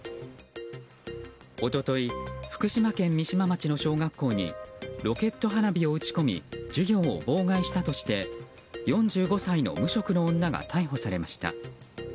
一昨日、福島県三島町の小学校にロケット花火を打ち込み授業を妨害したとして４５歳の無職の女が逮捕されました。